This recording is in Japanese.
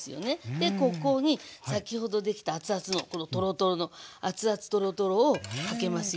でここに先ほどできたアツアツのこのトロトロのアツアツトロトロをかけますよ。